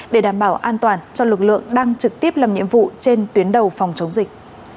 để đảm bảo an toàn cho lực lượng đang trực tiếp làm nhiệm vụ trên tuyến đầu phòng chống dịch